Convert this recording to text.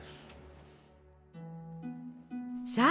さあ